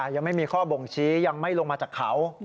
ยังไม่มีข้อบ่งชี้ยังไม่ลงมาจากเขา